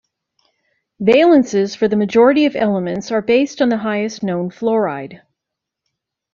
Valences for the majority of elements are based on the highest known fluoride.